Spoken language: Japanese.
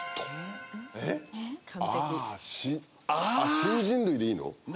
新人類でいいの？